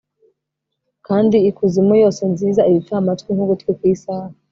kandi ikuzimu yose nziza, ibipfamatwi nk'ugutwi kw'isaha